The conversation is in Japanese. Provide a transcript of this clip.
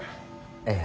ええ。